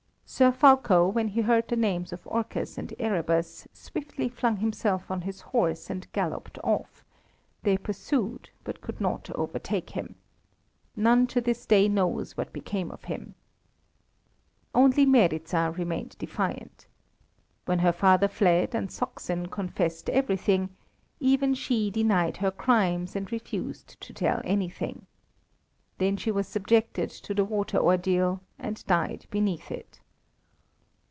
Sir Fulko, when he heard the names of Orcus and Erebus, swiftly flung himself on his horse and galloped off; they pursued, but could not overtake him. None to this day knows what became of him. Only Meryza remained defiant. When her father fled, and Saksin confessed everything, even she denied her crimes, and refused to tell anything. Then she was subjected to the water ordeal, and died beneath it.